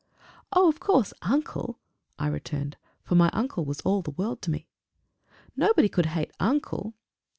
"Oh! of course! uncle!" I returned; for my uncle was all the world to me. "Nobody could hate uncle!"